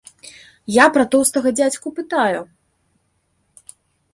Я пра тоўстага дзядзьку пытаю?!